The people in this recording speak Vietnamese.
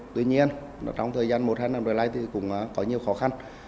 tuy nhiên trong thời gian một hai năm trở lại đây thì cũng có nhiều khó khăn